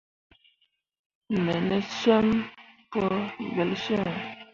Me ne cem pu gbelsyimmi.